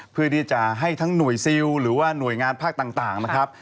เพื่อที่จะให้ทั้งหน่วยซิลหรือว่าหน่วยงานภาคต่างนะครับ